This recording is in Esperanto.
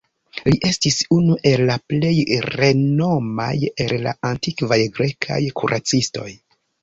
Li estis unu el la plej renomaj el la antikvaj grekaj kuracistoj.